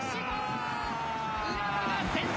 浦和が先制。